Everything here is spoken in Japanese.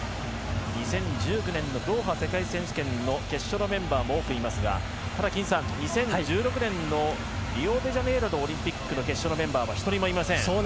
２０１９年のドーハ世界選手権の決勝のメンバーも多くいますがただ、金さん２０１６年のリオデジャネイロのオリンピックの決勝のメンバーは１人もいません。